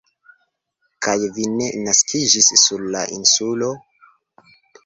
Kaj vi ne naskiĝis sur la lnsulo?